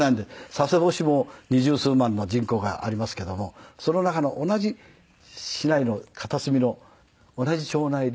佐世保市も二十数万の人口がありますけどもその中の同じ市内の片隅の同じ町内で。